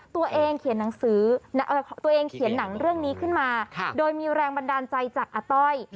ตัวเองเขียนหนังสือตัวเองเขียนหนังเรื่องนี้ขึ้นมาโดยมีแรงบันดาลใจจากอาต้อย